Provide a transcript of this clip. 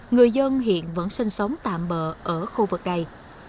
người dân hiện vẫn sinh sống tạm bờ ở khu vực này